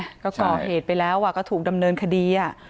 ก็ก่อเหตุไปแล้วก็ถูกดำเนินคดีอ่ะ